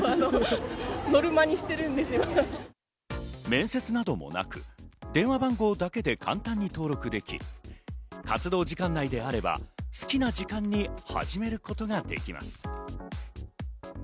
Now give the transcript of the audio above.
面接などもなく、電話番号だけで簡単に登録でき、活動時間内であれば好きな時間に始めることができます。